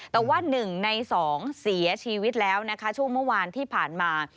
แต่ว่าหนึ่งในสองเสียชีวิตแล้วช่วงเมื่อวานที่ผ่านมา